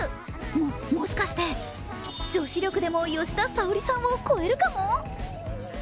も、もしかして、女子力でも吉田沙保里さんを超えるかも。